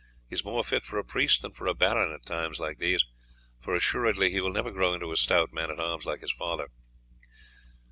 He is more fit for a priest than for a baron in times like these, for assuredly he will never grow into a stout man at arms like his father."